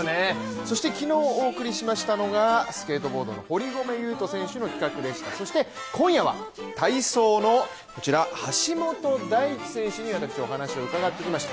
そして昨日お送りしましたのが、スケートボードの堀米雄斗選手の企画でしたそして今夜は体操のこちら、橋本大輝選手にお話を伺ってきました。